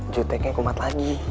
juteknya kumat lagi